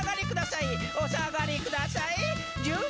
「お下がりくださいー」